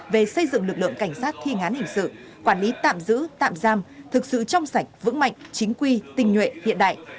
về xây dựng lực lượng cảnh sát thi ngán hình sự quản lý tạm giữ tạm giam thực sự trong sạch vững mạnh chính quy tinh nhuệ hiện đại